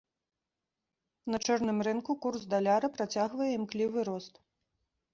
На чорным рынку курс даляра працягвае імклівы рост.